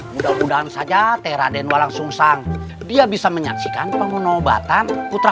mudah mudahan saja teradeh nolong sung sang dia bisa menyaksikan pengguna obatan putra